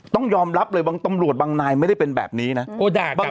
ต้องยอมรับเลยบางตำรวจบางนายไม่ได้เป็นแบบนี้นะ